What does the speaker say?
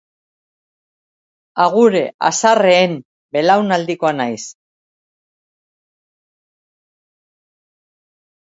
Agure haserreen belaunaldikoa naiz.